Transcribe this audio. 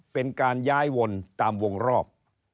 เป็นการย้ายวนตามวงรอบ